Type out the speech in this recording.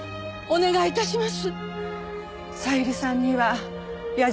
お願い致します。